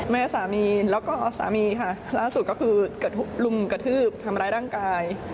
แม่สามีแล้วก็สามีค่ะล่าสุดก็คือเกิดลุมกระทืบทำร้ายร่างกาย